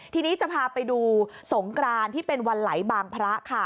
ทีนี้จะพาไปดูสงกรานที่เป็นวันไหลบางพระค่ะ